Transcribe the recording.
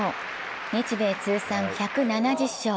日米通算１７０勝。